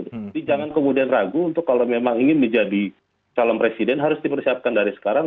jadi jangan kemudian ragu untuk kalau memang ingin menjadi calon presiden harus dipersiapkan dari sekarang